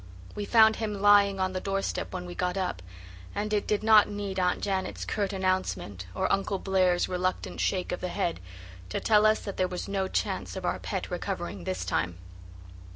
We found him lying on the doorstep when we got up, and it did not need Aunt Janet's curt announcement, or Uncle Blair's reluctant shake of the head, to tell us that there was no chance of our pet recovering this time.